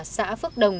xã phước đồng